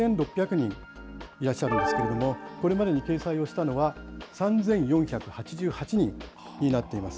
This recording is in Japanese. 人いらっしゃるんですけれども、これまでに掲載をしたのは３４８８人になっています。